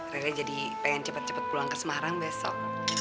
rere jadi pengen cepet cepet pulang ke semarang besok